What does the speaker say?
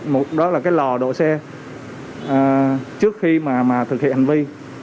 một đó là cái lò độ xe trước khi mà thực hiện hành vi